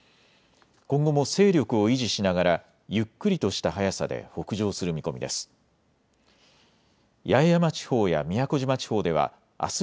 今後も勢力を維持しながらゆっくりとした速さで北上する見込みです。